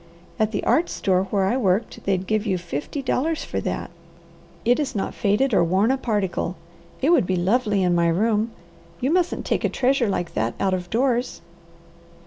At the art store where I worked they'd give you fifty dollars for that. It is not faded or worn a particle. It would be lovely in my room; you mustn't take a treasure like that out of doors."